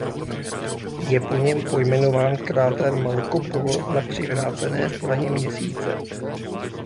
Je po něm pojmenován kráter Marco Polo na přivrácené straně Měsíce.